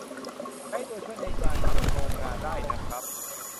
ใช้ตัวช่วยในการทำโครงงานได้นะครับ